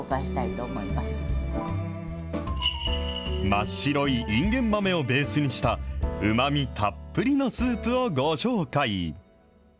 真っ白いいんげん豆をベースにした、うまみたっぷりのスープをご紹介。